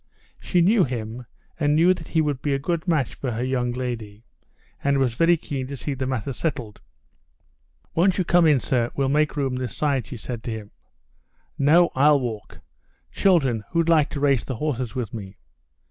She knew him, and knew that he would be a good match for her young lady, and was very keen to see the matter settled. "Won't you get in, sir, we'll make room this side!" she said to him. "No, I'll walk. Children, who'd like to race the horses with me?"